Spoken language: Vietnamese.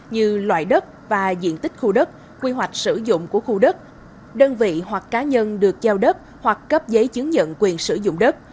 như loại đất và diện tích khu đất quy hoạch sử dụng của khu đất đơn vị hoặc cá nhân được giao đất hoặc cấp giấy chứng nhận quyền sử dụng đất